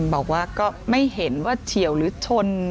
บอกว่าก็ไม่เห็นว่าเฉียวหรือชน